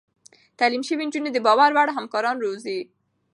تعليم شوې نجونې د باور وړ همکاران روزي.